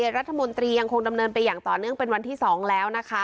รัฐมนตรียังคงดำเนินไปอย่างต่อเนื่องเป็นวันที่๒แล้วนะคะ